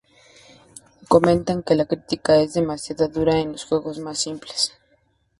Comentan que la crítica es demasiado dura en los juegos más simples.